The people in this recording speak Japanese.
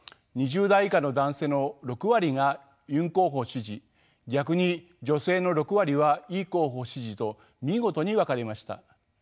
２０代以下の男性の６割がユン候補支持逆に女性の６割はイ候補支持と見事に分かれました。